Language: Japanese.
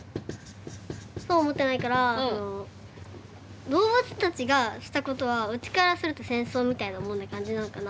そうは思ってないからあの動物たちがしたことはうちからすると戦争みたいなもんって感じなのかな。